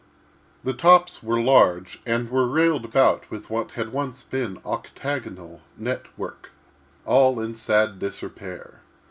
The tops were large, and were railed about with what had once been octagonal net work, all now in sad disrepair.